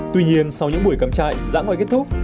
tuy nhiên sau những buổi cắm chạy dã ngoài kết thúc